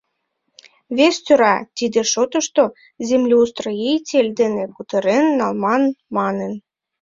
Вес тӧра, тиде шотышто землеустроитель дене кутырен налман, манын.